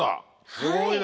すごいね。